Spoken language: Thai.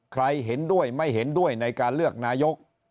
เห็นด้วยไม่เห็นด้วยในการเลือกนายก